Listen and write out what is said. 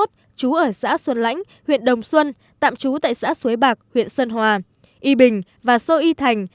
trú ở xã xuân lãnh huyện đồng xuân tạm trú tại xã suối bạc huyện sơn hòa y bình và sơ y thành